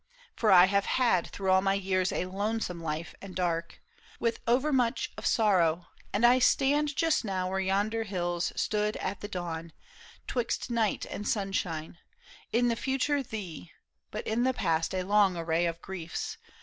For I have had Through all my years a lonesome life and dark. With overmuch of sorrow, and I stand Just now where yonder hills stood at the dawn, 'Twixt night and sunshine : in the future thee, But in the past a long array of griefs.